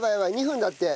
２分だって。